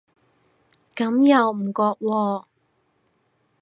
咁又唔覺喎